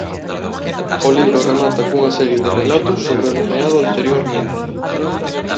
O libro remata cunha serie de relatos sobre o nomeado anteriormente.